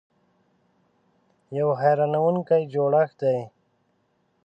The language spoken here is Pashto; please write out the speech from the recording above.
یو حیرانونکی جوړښت دی .